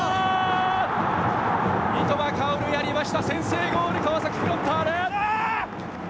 三笘薫、やりました、先制ゴール、川崎フロンターレ。